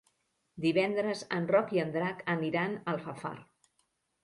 Divendres en Roc i en Drac aniran a Alfafar.